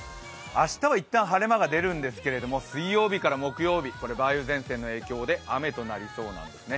明日は一旦晴れ間が出るんですけど、水曜日から木曜日、梅雨前線の影響で雨となりそうなんですね。